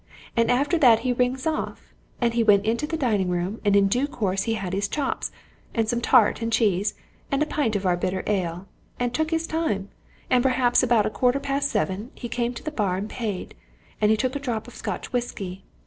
And after that he rings off and he went into the dining room, and in due course he had his chops, and some tart and cheese, and a pint of our bitter ale, and took his time, and perhaps about a quarter past seven he came to the bar and paid, and he took a drop of Scotch whisky.